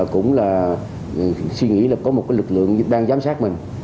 cũng là suy nghĩ là có một lực lượng đang giám sát mình